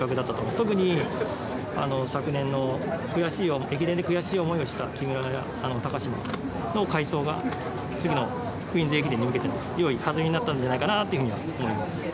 特に昨年に悔しい思いをした木村や高島の快走が次の「クイーンズ駅伝」に向けてのよいはずみになったんじゃないかなと思います。